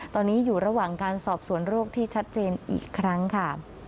ตอนนี้อยู่ระหว่างการสอบสวนโรคที่ชัดเจนอีกครั้งค่ะ